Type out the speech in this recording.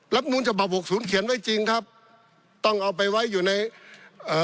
นูลฉบับหกศูนย์เขียนไว้จริงครับต้องเอาไปไว้อยู่ในเอ่อ